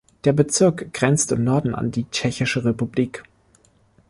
Der Bezirk grenzt im Norden an die Tschechische Republik.